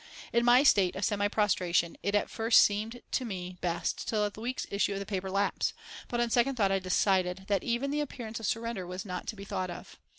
In my state of semi prostration it at first seemed to me best to let the week's issue of the paper lapse, but on second thought I decided that even the appearance of surrender was not to be thought of.